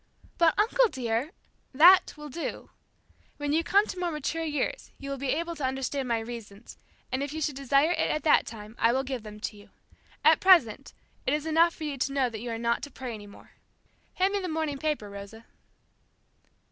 "But, uncle dear!" "That will do. When you come to more mature years you will be able to understand my reasons, and if you should desire it at that time I will give them to you. At present it is enough for you to know that you are not to pray anymore. Hand me the morning paper, Rosa."